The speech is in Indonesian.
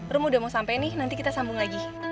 rum udah mau sampe nih nanti kita sambung lagi